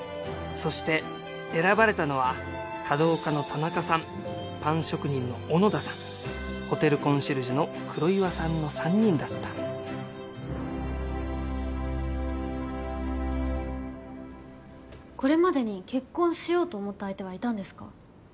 そして選ばれたのは華道家の田中さんパン職人の小野田さんホテルコンシェルジュの黒岩さんの３人だったこれまでに結婚しようと思った相手はいたんですか？